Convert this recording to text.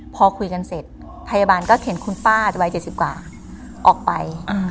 พอคุยกันเสร็จพยาบาลก็เขียนคุณป้าอาจจะวายเจ็ดสิบกว่าออกไปอืม